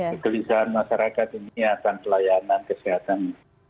kegelisahan masyarakat ini akan pelayanan kesehatan